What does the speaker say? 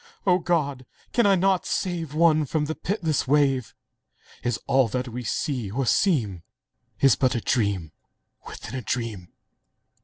O God! can I not save One from the pitiless wave? Is all that we see or seem But a dream within a dream?.